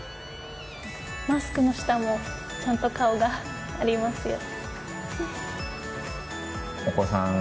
マスクの下もちゃんと顔がありますよ。